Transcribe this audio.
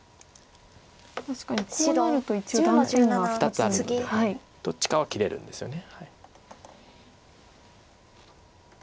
２つあるのでどっちかは切れるんですよね。